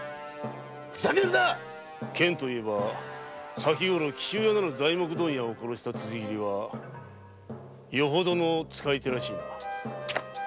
ふざけるな剣といえば先ごろ材木問屋紀州屋を殺した辻斬りはよほどの使い手らしいな。